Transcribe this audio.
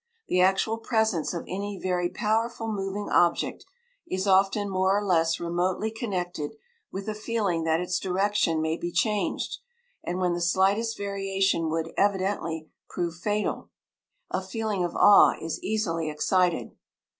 The actual presence of any very powerful moving object is often more or less remotely connected with a feeling that its direction may be changed; and when the slightest variation would evidently prove fatal, a feeling of awe is easily excited.